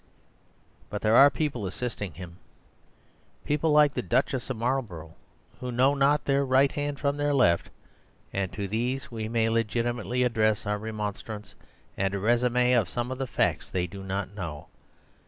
But there are people assisting him, people like the Duchess of Marlborough, who know not their right hand from their left, and to these we may legitimately address our remonstrance and a resume of some of the facts they do not know.